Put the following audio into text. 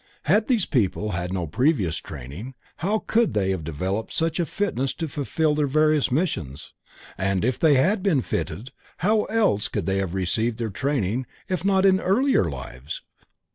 Had these people had no previous training, how could they have developed such a fitness to fulfill their various missions, and if they had been fitted, how else could they have received their training if not in earlier lives?